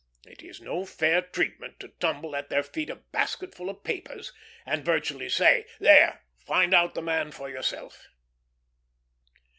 It is no fair treatment to tumble at their feet a basketful of papers, and virtually say, "There! find out the man for yourself."